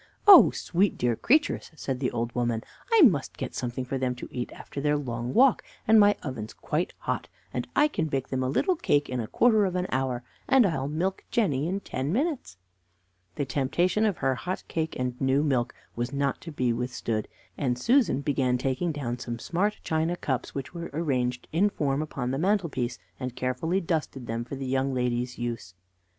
"Oh, sweet, dear creatures!" said the old woman, "I must get something for them to eat after their long walk, and my oven's quite hot, and I can bake them a little cake in a quarter of an hour, and I'll milk Jenny in ten minutes." The temptation of her hot cake and new milk was not to be withstood, and Susan began taking down some smart china cups, which were arranged in form upon the mantelpiece, and carefully dusted them for the young ladies' use.